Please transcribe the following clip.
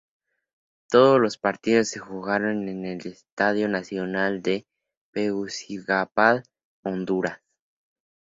Todos los partidos se jugaron en el Estadio Nacional de Tegucigalpa, Honduras.